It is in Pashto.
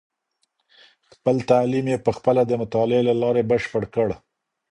خپل تعلیم یې په خپله د مطالعې له لارې بشپړ کړ.